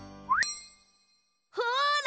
ほら！